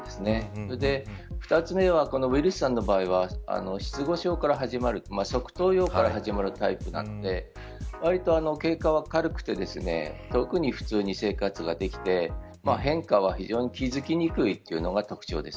それで２つ目はウィリスさんの場合は失語症から始まる側頭葉から始まるタイプなので割と経過は軽くて特に普通に生活ができて変化は非常に気付きにくいというのが特徴です。